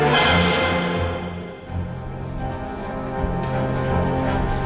aku mau berhenti